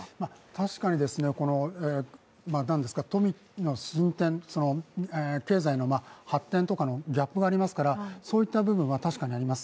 確かに富の進展、経済の発展とかのギャップがありますから、そういった部分は確かにあります。